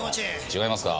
違いますか？